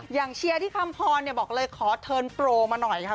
อย่างเชียร์ที่คำพอลแบบประกอบเพิ่มอะไรมาหน่อยค่ะ